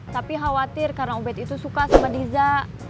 tapi khawatir karena ubed itu suka sama riza